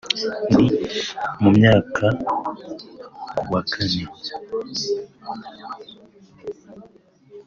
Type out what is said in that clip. Ni mu myaka y’uwa Kane